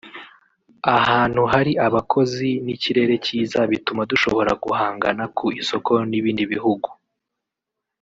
ahantu hari abakozi n’ikirere cyiza bituma dushobora guhangana ku isoko n’ibindi bihugu